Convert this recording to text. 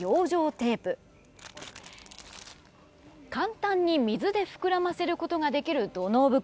テープ簡単に水で膨らませることができる土のう袋